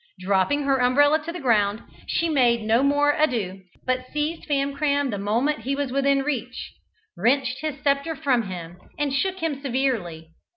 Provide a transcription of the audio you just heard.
Dropping her umbrella upon the ground, she made no more ado, but seized Famcram the moment he was within reach, wrenched his sceptre from him, and shook him severely.